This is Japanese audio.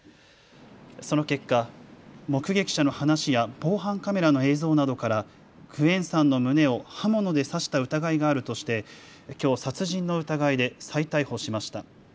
その結果、目撃者の話や防犯カメラの映像などからグエンさんの胸を刃物で刺した疑いがあるとして、きょう殺人の疑いで再逮捕しました。